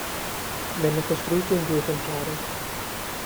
Venne costruita in due esemplari.